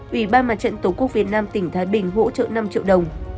ủy ban mặt trận tổ quốc việt nam tỉnh thái bình hỗ trợ năm triệu đồng